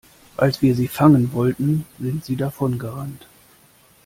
Als wir sie fangen wollten, sind sie davongerannt.